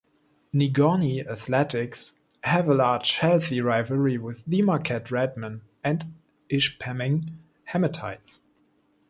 Negaunee athletics have a large, healthy rivalry with the Marquette Redmen and Ishpeming Hematites.